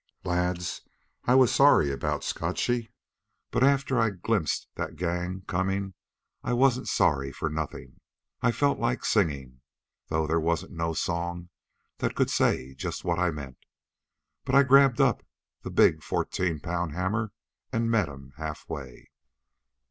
"Lads, I was sorry about Scotchy, but after I glimpsed that gang comin' I wasn't sorry for nothing. I felt like singin', though there wasn't no song that could say just what I meant. But I grabbed up the big fourteen pound hammer and met 'em halfway.